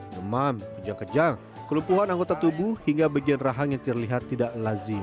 demam kejang kejang kelumpuhan anggota tubuh hingga bagian rahang yang terlihat tidak lazim